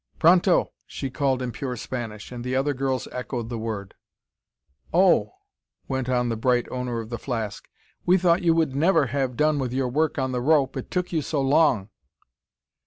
"Pronto!" she called in pure Spanish, and other girls echoed the word. "Oh," went on the bright owner of the flask, "we thought you would never have done with your work on the rope. It took you so long!"